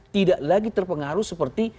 tidak lagi terpengaruh seperti